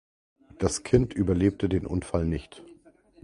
Das Kind überlebte den Unfall nicht.